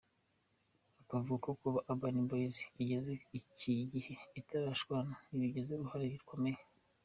Akavuga ko no kuba Urban Boys igeze iki gihe itarashwana, yabigizemo uruhare rukomeye.